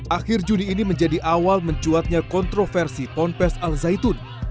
akhir juni ini menjadi awal mencuatnya kontroversi ponpes al zaitun